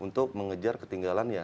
untuk mengejar ketinggalan ya